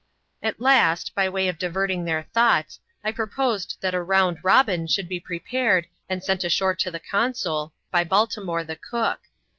At last, by way of diverting their thoughts, I proposed that a *^ Bound Bobin" should be prepared and sent ashore to the consul, by Baltimore, the cook.